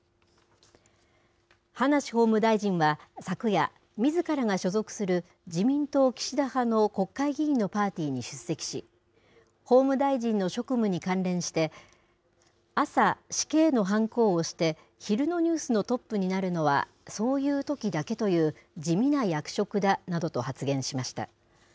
葉梨法務大臣は、昨夜、みずからが所属する自民党岸田派の国会議員のパーティーに出席し、法務大臣の職務に関連して、朝、死刑のはんこを押して、昼のニュースのトップになるのはそういうときだけという地味な役職だなどと発言しました。